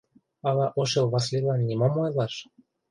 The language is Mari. Ала Ошэл Васлийлан нимом ойлаш?